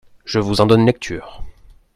Je vous en donne lecture.